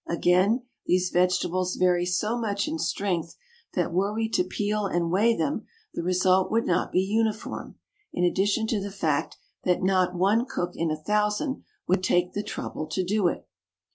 Again, these vegetables vary so much in strength that were we to peel and weigh them the result would not be uniform, in addition to the fact that not one cook in a thousand would take the trouble to do it.